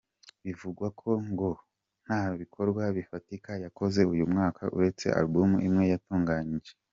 Bivugwa ko ngo nta bikorwa bifatika yakoze uyu mwaka uretse album imwe yatunganyije.